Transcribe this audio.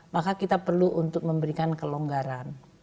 maka kita perlu untuk memberikan kelonggaran